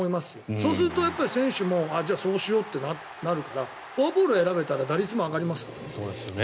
そうすると選手もそうしようってなるからフォアボールを選べたら打率も上がりますからね。